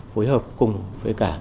phối hợp cùng với cả